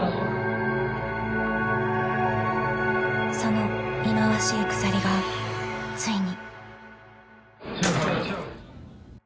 ［その忌まわしい鎖がついに］